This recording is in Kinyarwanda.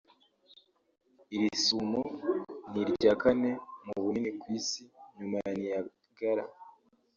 Iri sumo ni irya kane mu bunini ku isi nyuma ya Niagara